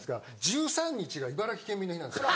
１３日が茨城県民の日なんですよ。